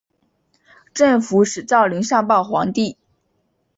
镇抚使赵霖上报皇帝。